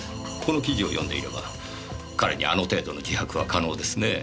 この記事を読んでいれば彼にあの程度の自白は可能ですね。